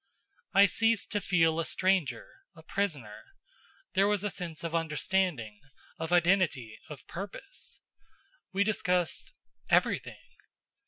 I ceased to feel a stranger, a prisoner. There was a sense of understanding, of identity, of purpose. We discussed everything.